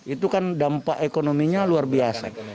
itu kan dampak ekonominya luar biasa